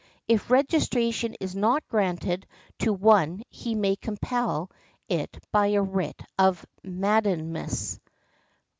If registration is not granted to one he may compel it by a writ of mandamus .